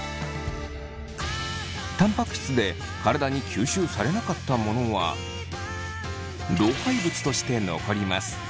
たんぱく質で体に吸収されなかったものは老廃物として残ります。